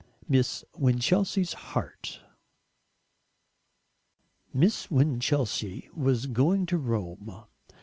12. MISS WINCHELSEA'S HEART Miss Winchelsea was going to Rome.